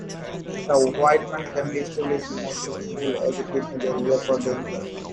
The Whiteman family established Mussel Pool as a picnic area for their employees.